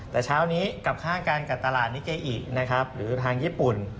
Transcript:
แต่เช้านี้กลับข้างกันกับตลาดนิเกอินะครับหรือทางญี่ปุ่น